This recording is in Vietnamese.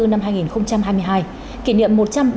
năm hai nghìn hai mươi hai kỷ niệm